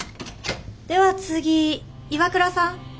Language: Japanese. では次岩倉さん。